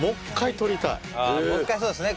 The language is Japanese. もう一回そうですね。